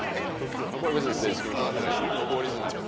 これ別に正式に決まってない僕オリジナル。